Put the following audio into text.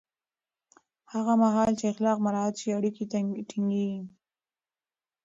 هغه مهال چې اخلاق مراعت شي، اړیکې ټینګېږي.